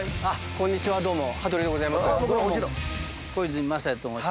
こんにちはどうも羽鳥でございます。